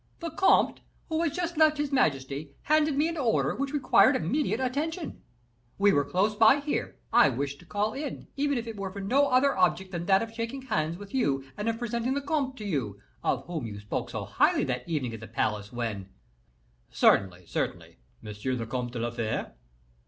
"The comte, who had just left his majesty, handed me an order which required immediate attention. We were close by here; I wished to call in, even if it were for no other object than that of shaking hands with you and of presenting the comte to you, of whom you spoke so highly that evening at the palace when " "Certainly, certainly M. le Comte de la Fere?"